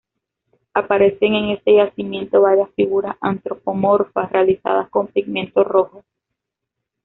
Aparecen en este yacimiento varias figuras antropomorfas realizadas con pigmento rojo.